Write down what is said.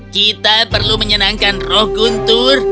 kita perlu menyenangkan roh guntur